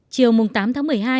chiều tám tháng một mươi hai